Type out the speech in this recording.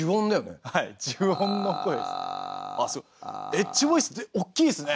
エッジボイス大きいですね！